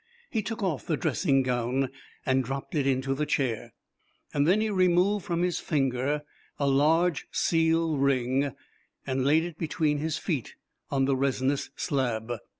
He took off the dressing gown and dropped it into the chair. Then he removed from his finger a large seal ring, and laid it between his feet on the resinous slab.